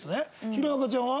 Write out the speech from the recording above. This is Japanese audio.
弘中ちゃんは？